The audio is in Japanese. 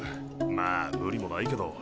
まあ無理もないけど。